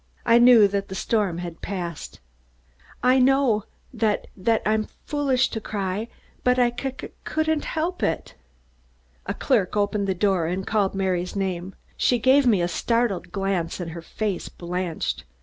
I knew that the storm had passed. "I know that that I'm foolish to c cry, but I just c couldn't help it." A clerk opened the door and called Mary's name. She gave me a startled glance and her face blanched.